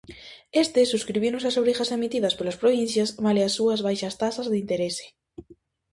Estes subscribiron as obrigas emitidas polas provincias malia as súas baixas taxas de interese.